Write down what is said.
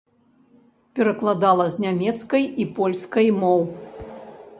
Перакладала з нямецкай і польскай моў.